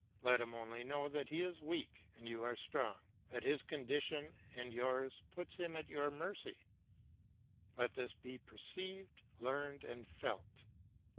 Let him only know that he is weak and you are strong, that his condition and yours puts him at your mercy; let this be perceived, learned, and felt.